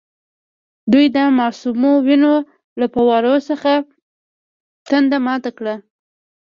دوی د معصومو وینو له فووارو خپله تنده ماته کړه.